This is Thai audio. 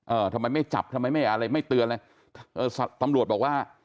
เออทำไมไม่จับทำไมไม่อะไรไม่เตือนอะไรเออตำรวจบอกว่า